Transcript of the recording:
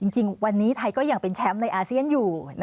จริงวันนี้ไทยก็ยังเป็นแชมป์ในอาเซียนอยู่